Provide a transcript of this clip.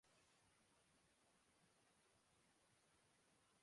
face بک اور messenger